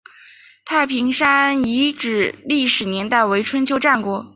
大坪山遗址的历史年代为春秋战国。